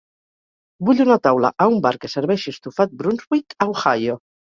Vull una taula a un bar que serveixi estofat Brunswick a Ohio.